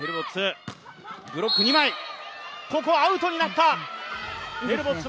ここはアウトになった。